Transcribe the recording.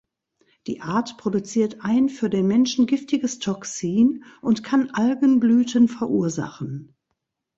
Die Art produziert ein für den Menschen giftiges Toxin und kann Algenblüten verursachen.